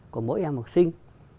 của mỗi em học sinh